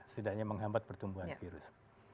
setidaknya menghambat pertumbuhan virus